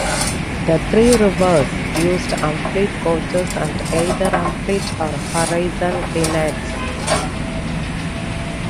The "Three Rivers" used Amfleet coaches and either Amfleet or Horizon dinettes.